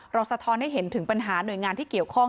สะท้อนให้เห็นถึงปัญหาหน่วยงานที่เกี่ยวข้อง